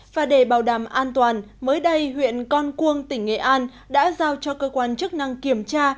và để bảo đảm an toàn mới đây huyện con cuông tỉnh nghệ an đã giao cho cơ quan chức năng kiểm tra